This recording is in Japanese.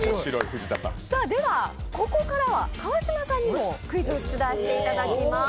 ここからは川島さんにもクイズを出題していただきます。